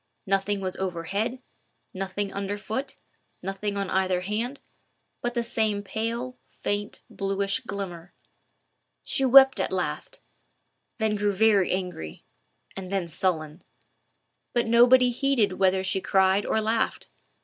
Nothing was overhead, nothing under foot, nothing on either hand, but the same pale, faint, bluish glimmer. She wept at last, then grew very angry, and then sullen; but nobody heeded whether she cried or laughed.